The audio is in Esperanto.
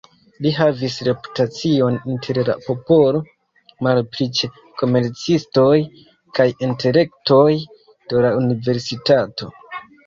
Li havis reputacion inter la popolo, malpli ĉe komercistoj kaj intelektuloj de la universitato.